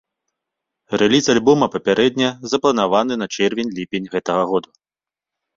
Рэліз альбома папярэдне запланаваны на чэрвень-ліпень гэтага года.